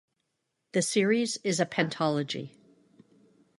The series is a pentalogy.